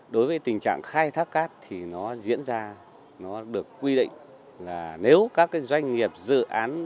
đối với tình trạng khai thác cát thì nó diễn ra nó được quy định là nếu các doanh nghiệp dự án